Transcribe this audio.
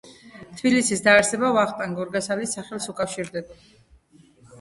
თბილისის დაარსება ვახტანგ გორგასალის სახელს უკავშირდება